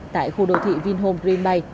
tại khu đô thị vinhome green bay